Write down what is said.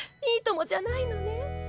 「いいとも」じゃないのね。